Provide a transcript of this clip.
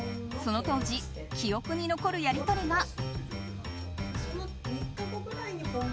その当時、記憶に残るやり取りが。